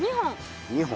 ２本。